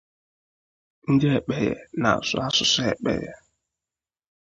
Ndị Ekpeye na-asụ asụsụ Ekpeye.